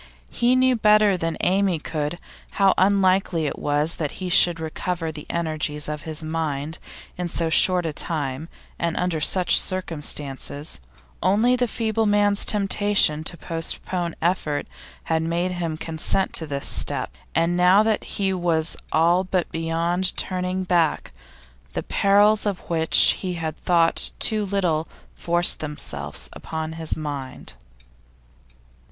He knew better than Amy could how unlikely it was that he should recover the energies of his mind in so short a time and under such circumstances; only the feeble man's temptation to postpone effort had made him consent to this step, and now that he was all but beyond turning back, the perils of which he had thought too little forced themselves upon his mind.